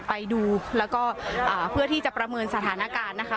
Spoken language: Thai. ไปดูแล้วก็เพื่อที่จะประเมินสถานการณ์นะคะ